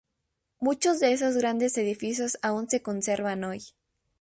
Muchos de esos grandes edificios aun se conservan hoy.